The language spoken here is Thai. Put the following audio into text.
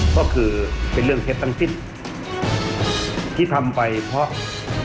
ก็คือเป็นเรื่องเท็จทั้งสิ้นที่ทำไปเพราะ